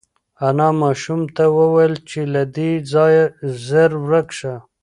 انا ماشوم ته وویل چې له دې ځایه زر ورک شه.